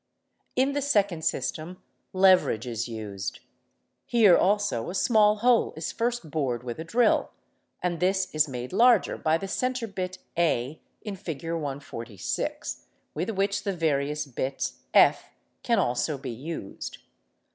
In the second system leverage is used. Here also a small hole is" first bored with a drill, and this is made larger by the centrebit a in Fig. 146, with which the various bits f can also be used.